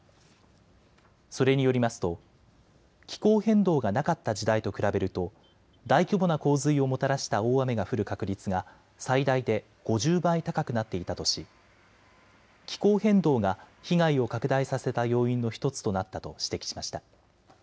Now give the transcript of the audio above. それによりますと気候変動がなかった時代と比べると大規模な洪水をもたらした大雨が降る確率が最大で５０倍高くなっていたとし気候変動が被害を拡大させた要因の１つとなったと指摘しました。